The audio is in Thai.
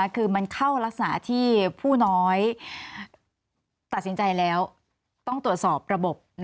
คือมันเข้ารักษณะที่ผู้น้อยตัดสินใจแล้วต้องตรวจสอบระบบ